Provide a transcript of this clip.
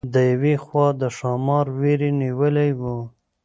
د یوې خوا د ښامار وېرې نیولې وه.